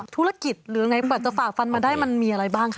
ธุรกิจหรืออย่างไรแบบจะฝากฟันมาได้มันมีอะไรบ้างครับ